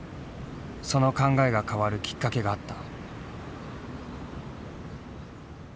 その考えが変わるきっかけがあった。